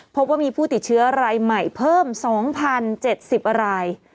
พบว่ามีผู้ติดเชื้อรายใหม่เพิ่ม๒๐๗๐ราย